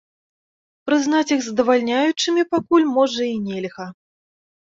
Прызнаць іх здавальняючымі пакуль, можа, і нельга.